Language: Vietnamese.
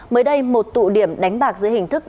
mới đây một tụ điểm đánh bạc dưới hình thức